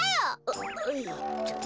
あっえっと。